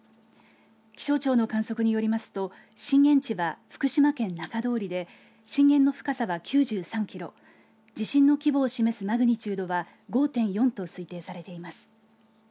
気象庁の観測によりますと震源地は福島県中通りで震源の深さは９３キロ地震の規模を示すマグニチュードは５．４と推定されています。